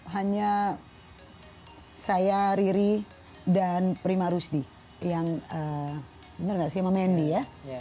hanya saya riri dan prima rusdi yang benar gak sih sama mendy ya